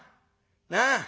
なあ。